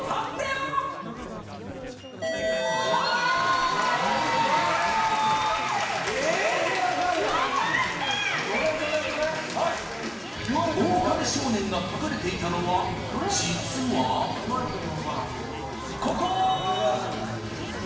はいオオカミ少年が隠れていたのは実はここ！